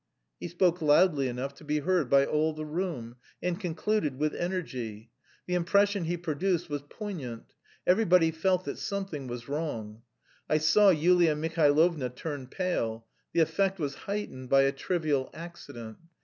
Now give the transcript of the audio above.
He spoke loudly enough to be heard by all the room, and concluded with energy. The impression he produced was poignant. Everybody felt that something was wrong. I saw Yulia Mihailovna turn pale. The effect was heightened by a trivial accident.